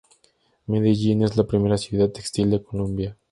Medellín es la primera ciudad textil de Colombia.